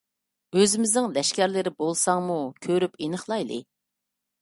ئۆزىمىزنىڭ لەشكەرلىرى بولساڭمۇ، كۆرۈپ ئېنىقلايلى.